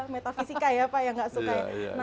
metafisika ya pak yang nggak suka